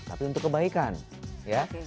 tapi untuk kebaikan ya